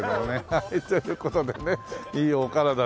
はいという事でねいいお体でね。